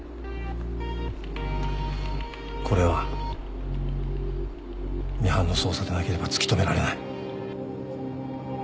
これはミハンの捜査でなければ突き止められない。